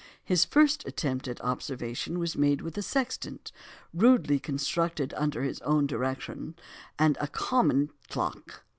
His first attempt at observation was made with a sextant, rudely constructed under his own directions, and a common clock.